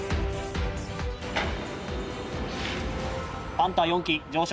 パンタ４基上昇。